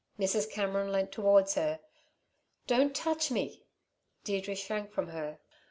Mrs. Cameron leant towards her. "Don't touch me!" Deirdre shrank from her.